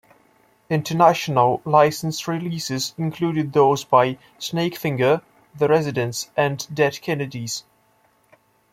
International licensed releases included those by Snakefinger, The Residents and Dead Kennedys.